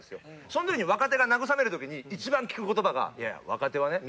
その時に若手が慰める時に一番効く言葉が「若手はね